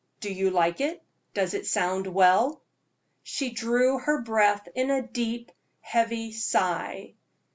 Do you like it? Does it sound well?" She drew her breath with a deep, heavy sigh.